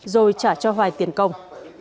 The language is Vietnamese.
rồi trả cho hoài tiền công